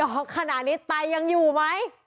หยอกขนาดนี้ไตยังอยู่ไหม